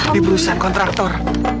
di perusahaan kontraktor